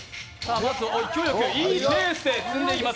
勢いよく、いいペースで積んでいきます。